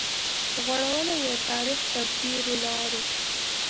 غوړولي يو تاريخ پر تېرو لارو